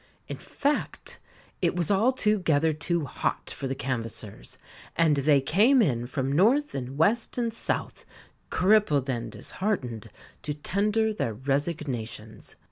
In fact, it was altogether too hot for the canvassers, and they came in from North and West and South, crippled and disheartened, to tender their resignations.